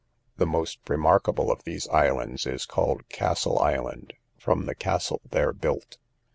The most remarkable of these islands is called Castle island, from the castle there built.